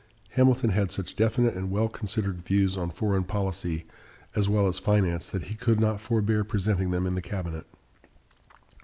Hamilton had such definite and well considered views on foreign policy as well as finance that he could not forbear presenting them in the cabinet.